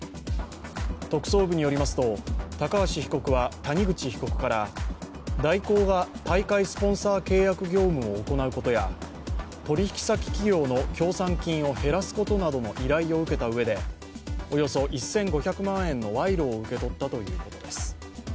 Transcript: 特捜部によりますと高橋被告は谷口被告から大広が大会スポンサー契約業務を行うことや取引先企業の協賛金を減らすことなどの依頼を受けたうえでおよそ１５００万円の賄賂を受け取ったということです。